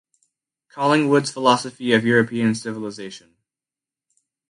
Collingwood’s philosophy of European Civilisation.